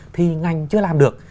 thì ngành chưa làm được